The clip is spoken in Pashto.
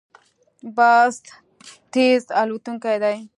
باز تېز الوتونکی دی